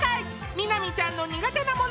美波ちゃんの苦手なもの